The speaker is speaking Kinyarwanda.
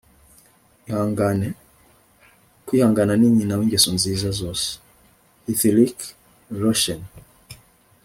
ihangane. kwihangana ni nyina w'ingeso nziza zose. - hrithik roshan